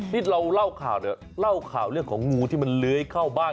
นี่เราเล่าข่าวเนี่ยเล่าข่าวเรื่องของงูที่มันเลื้อยเข้าบ้าน